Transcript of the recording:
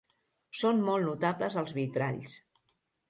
Són molt notables els vitralls.